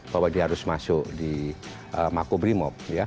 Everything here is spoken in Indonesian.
bahwa dia harus masuk di makobrimob